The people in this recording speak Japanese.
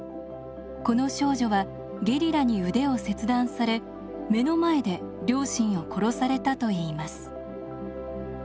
この少女はゲリラに腕を切断され目の前で両親を殺されたといいます。